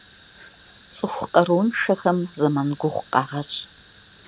Цӏыху къарууншэхэм зэман гугъу къагъэщӏ.